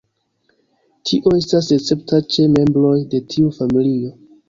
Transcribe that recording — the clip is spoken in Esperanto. Tio estas escepta ĉe membroj de tiu familio.